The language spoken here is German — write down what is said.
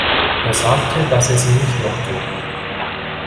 Er sagte, dass er sie nicht mochte.